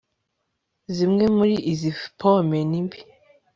Zimwe muri izi pome ni mbi